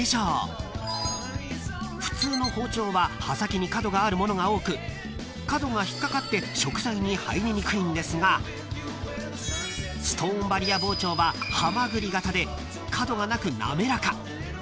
［普通の包丁は刃先に角がある物が多く角が引っ掛かって食材に入りにくいんですがストーンバリア包丁はハマグリ形で角がなく滑らか］